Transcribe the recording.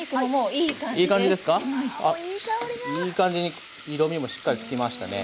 いい感じに色みもしっかりつきましたね。